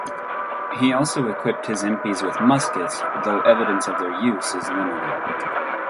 He also equipped his impis with muskets, though evidence of their use is limited.